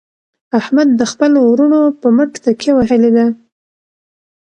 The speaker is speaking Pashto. احمد د خپلو ورڼو په مټ تکیه وهلې ده.